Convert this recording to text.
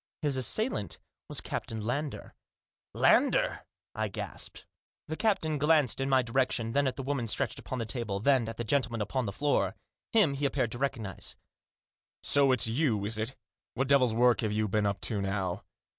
His assailant was Captain Lander. " Lander 1 " I gasped. Digitized by THE GOD OUT OF THE MACHINE. 227 The captain glanced in my direction, then at the woman stretched upon the table, then at the gentle man upon the floor. Him he appeared to recognise. " So it's you, is it ? What devil's work have you been up to now